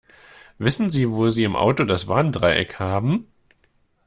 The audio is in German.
Wissen Sie, wo Sie im Auto das Warndreieck haben?